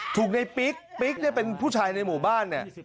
ถูกในปิ๊กปิ๊กเนี่ยเป็นผู้ชายในหมู่บ้านเนี่ย